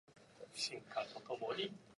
河南省の省都は鄭州である